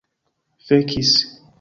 fekis